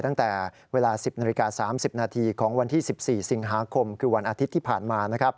ตั้งแต่เวลา๑๐นาฬิกา๓๐นาทีของวันที่๑๔สิงหาคมคือวันอาทิตย์ที่ผ่านมา